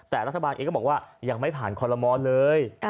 แต่รัฐบาลเองก็บอกว่ายังไม่ผ่านคอลโลมอลเลย